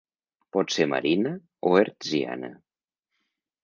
Pot ser marina o hertziana.